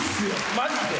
マジで。